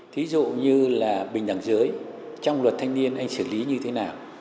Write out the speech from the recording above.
thí dụ như là bình đẳng giới trong luật thanh niên anh xử lý như thế nào